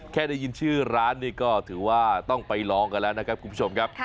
ได้ยินชื่อร้านนี่ก็ถือว่าต้องไปลองกันแล้วนะครับคุณผู้ชมครับ